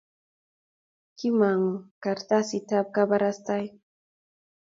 kimong'u karatasitab kabaraiste.